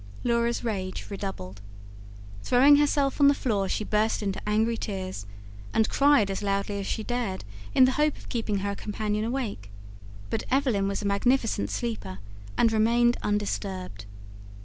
Laura's rage redoubled. Throwing herself on the floor she burst into angry tears, and cried as loudly as she dared, in the hope of keeping her companion awake. But Evelyn was a magnificent sleeper; and remained undisturbed.